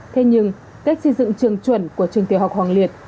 thế nhưng cách xây dựng trường chuẩn của trường tiểu học hoàng liệt